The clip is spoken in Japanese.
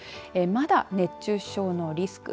まだ、熱中症のリスク